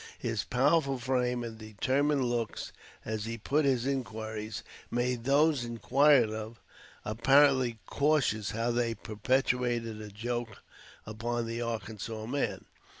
His powerful frame and determined looks, as he put his inquiries, made those inquired of, apparently, cautious how they perpetrated a joke upon the Arkansas man.